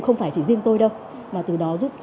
không phải chỉ riêng tôi đâu mà từ đó giúp